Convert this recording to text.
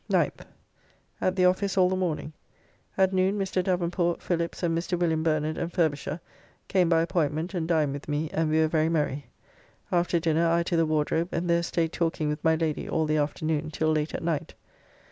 9th. At the office all the morning. At noon Mr. Davenport, Phillips, and Mr. Wm. Bernard and Furbisher, came by appointment and dined with me, and we were very merry. After dinner I to the Wardrobe, and there staid talking with my Lady all the afternoon till late at night.